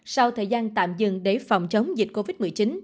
sau thời gian tạm dừng để phòng chống dịch covid một mươi chín